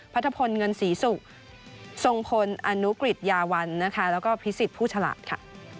ทะพลเงินศรีศุกร์ทรงพลอนุกริจยาวันนะคะแล้วก็พิสิทธิ์ผู้ฉลาดค่ะ